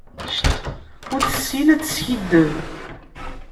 Ur tessin ad teskiddeb.